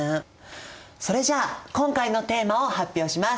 それじゃあ今回のテーマを発表します！